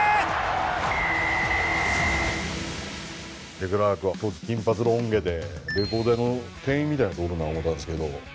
デクラークは当時金髪ロン毛でレコード屋の店員みたいなやつおるな思ってたんですけど。